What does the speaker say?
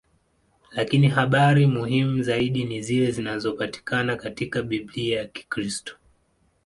Lakini habari muhimu zaidi ni zile zinazopatikana katika Biblia ya Kikristo.